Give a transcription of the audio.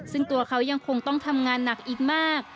ซึ่งตัวเขายังคงต้องทำงานหนักอีกมาก